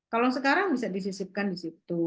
kalau sekarang bisa disisipkan di situ